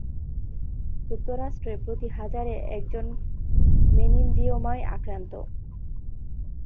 যুক্তরাষ্ট্রে প্রতি এক হাজারে একজন মেনিনজিওমায় আক্রান্ত।